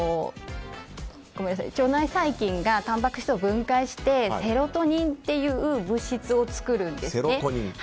腸内細菌がたんぱく質を分解して、セロトニンという物質を作るんですね。